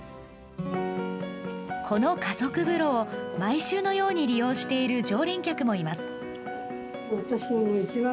この家族風呂を、毎週のように利用している常連客もいます。